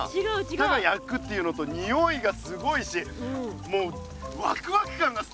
ただやくっていうのとにおいがすごいしもうワクワク感がぜんぜんちがうよ。